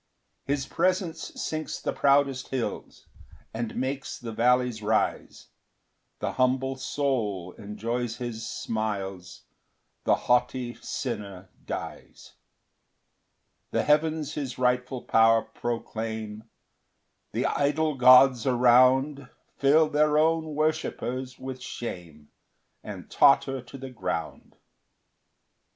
2 His presence sinks the proudest hills, And makes the vallies rise The humble soul enjoys his smiles, The haughty sinner dies. 3 The heavens his rightful power proclaim The idol gods around Fill their own worshippers with shame, And totter to the ground.